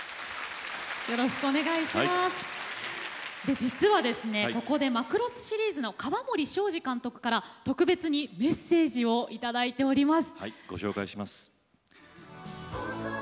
実は、ここで「マクロス」シリーズの河森正治監督から特別にメッセージをいただいております。